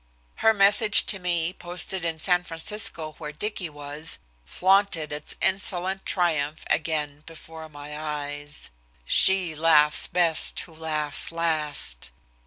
Her message to me, posted in San Francisco, where Dicky was, flaunted its insolent triumph again before my eyes: "She laughs best who laughs last."